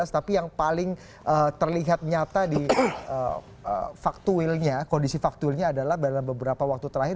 tapi yang paling terlihat nyata di faktuilnya kondisi faktuilnya adalah dalam beberapa waktu terakhir